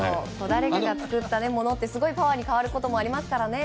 誰かが作ったものはすごいパワーに変わることってありますからね。